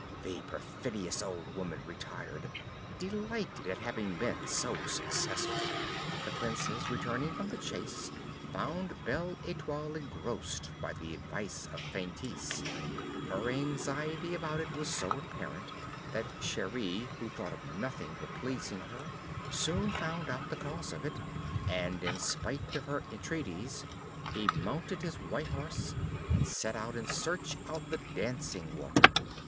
The perfidious old woman retired, delighted at having been so successful. The Princes, returning from the chase, found Belle Etoile engrossed by the advice of Feintise. Her anxiety about it was so apparent, that Cheri, who thought of nothing but pleasing her, soon found out the cause of it, and, in spite of her entreaties, he mounted his white horse, and set out in search of the dancing water.